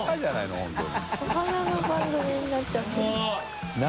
お花の番組になっちゃってる。